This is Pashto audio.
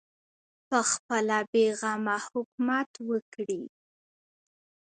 پخپله بې غمه حکومت وکړي